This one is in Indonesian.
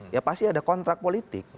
ya pasti ada kontrak politik